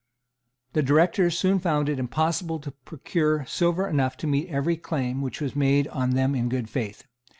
The Directors soon found it impossible to procure silver enough to meet every claim which was made on them in good faith.